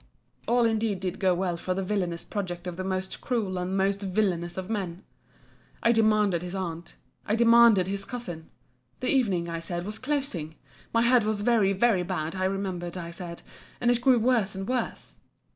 All indeed did go well for the villanous project of the most cruel and most villanous of men! I demanded his aunt!—I demanded his cousin!—The evening, I said, was closing!—My head was very, very bad, I remember I said—and it grew worse and worse.